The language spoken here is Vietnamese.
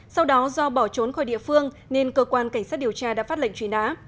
sau đó do bỏ trốn khỏi địa phương nên cơ quan cảnh sát điều tra đã phát lệnh truy nã